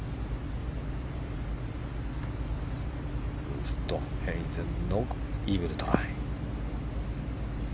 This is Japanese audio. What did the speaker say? ウーストヘイゼンのイーグルトライ。